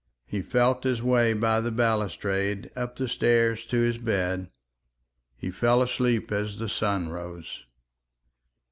He felt his way by the balustrade up the stairs to his bed. He fell asleep as the sun rose.